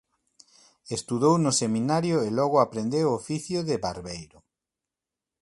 Estudou no seminario e logo aprendeu o oficio de barbeiro.